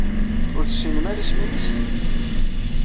Ur tessinem ara isem-nnes?